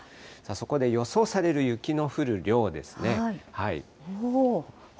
そこで予想される雪の降る量ですね。